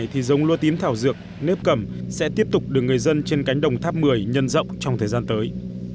trong lúa tím thảo dược và nếp cầm sẽ tiếp tục được người dân trên cánh đồng tháp một mươi nhân rộng trong thời gian tới